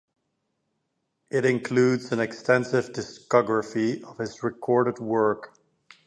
It includes an extensive discography of his recorded work.